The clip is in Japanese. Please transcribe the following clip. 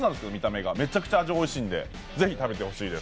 味がめちゃくちゃおいしいんで是非、食べてほしいです。